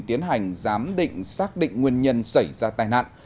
tiến hành giám định xác định nguyên nhân xảy ra tai nạn